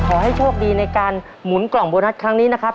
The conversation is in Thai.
ขอให้โชคดีในการหมุนกล่องโบนัสครั้งนี้นะครับ